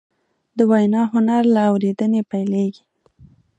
د وینا هنر له اورېدنې پیلېږي